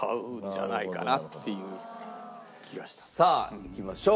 さあいきましょう。